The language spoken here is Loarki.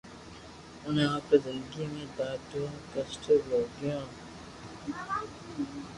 اوڻي آپري زندگي ۾ ڌاڌو ڪسٽ ڀوگيو